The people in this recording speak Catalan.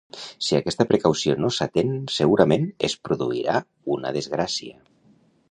Si aquesta precaució no s'atén, segurament es produirà una desgràcia.